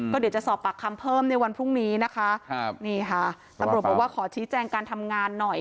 เดี๋ยวจะสอบปากคำเพิ่มในวันพรุ่งนี้นะคะครับนี่ค่ะตำรวจบอกว่าขอชี้แจงการทำงานหน่อย